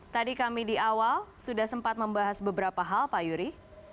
tadi kami di awal sudah sempat membahas beberapa hal pak yuri